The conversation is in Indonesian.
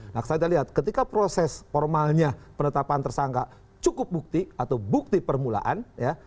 nah saya lihat ketika proses formalnya penetapan tersangka cukup bukti atau bukti permulaan ya